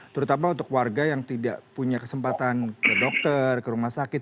terutama untuk warga yang tidak punya kesempatan ke dokter ke rumah sakit